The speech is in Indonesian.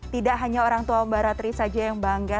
tidak hanya orang tua mbak ratri saja yang bangga